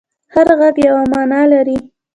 هر غږ یوه معنی لري.